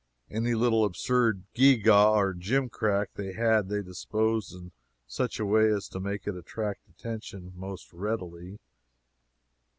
Any little absurd gewgaw or gimcrack they had they disposed in such a way as to make it attract attention most readily.